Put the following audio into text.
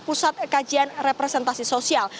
pusat kajian representasi sosial